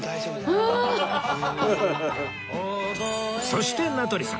そして名取さん